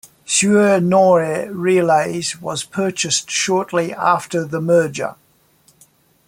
Suir-Nore Relays was purchased shortly after the merger.